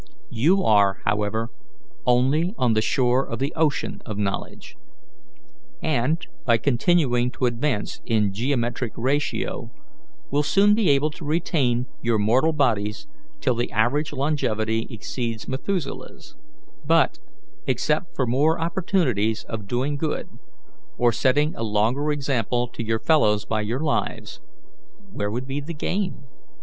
You are, however, only on the shore of the ocean of knowledge, and, by continuing to advance in geometric ratio, will soon be able to retain your mortal bodies till the average longevity exceeds Methuselah's; but, except for more opportunities of doing good, or setting a longer example to your fellows by your lives, where would be the gain?